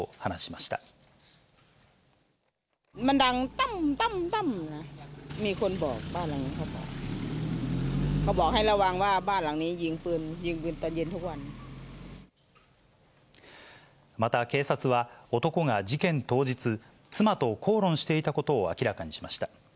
また警察は、男が事件当日、妻と口論していたことを明らかにしました。